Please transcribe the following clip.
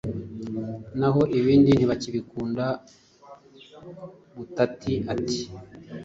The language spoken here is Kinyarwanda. naho ibindi ntibakibikunda butati ati